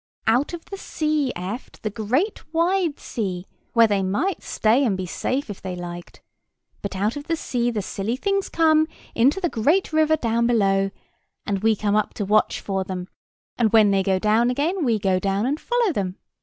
"Out of the sea, eft, the great wide sea, where they might stay and be safe if they liked. But out of the sea the silly things come, into the great river down below, and we come up to watch for them; and when they go down again we go down and follow them.